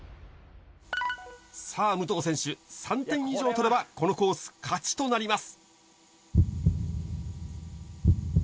さあ、武藤選手、３点以上取ればこのコース、勝ちとなります。